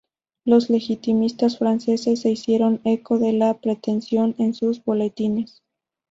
Los legitimistas franceses se hicieron eco de la pretensión en sus boletines.